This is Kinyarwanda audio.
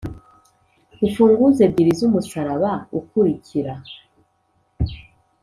Imfunguzo ebyiri z’umusaraba ukurikira